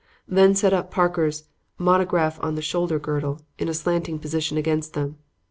Then set up Parker's 'Monograph on the Shoulder girdle' in a slanting position against them.